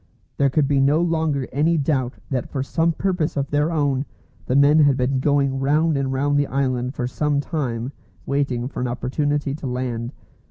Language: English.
There could be no longer any doubt that for some purpose of their own the men had been going round and round the island for some time, waiting for an opportunity to land.